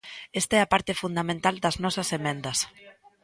Esta é a parte fundamental das nosas emendas.